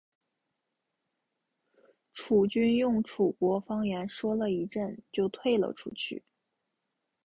楚军用楚国方言说了一阵就退了出去。